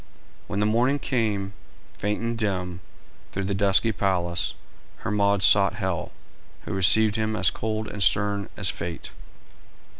When the morning came, faint and dim, through the dusky palace, Hermod sought Hel, who received him as cold and stern as fate.